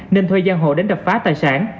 nên thuê gian hộ đến đập phá tài sản